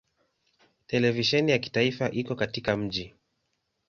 Televisheni ya kitaifa iko katika mji.